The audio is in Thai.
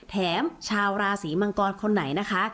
ชาวราศีมังกรคนไหนนะคะ